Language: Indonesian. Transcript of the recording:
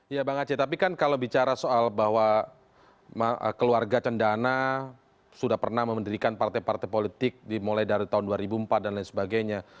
ya bang aceh tapi kan kalau bicara soal bahwa keluarga cendana sudah pernah mendirikan partai partai politik dimulai dari tahun dua ribu empat dan lain sebagainya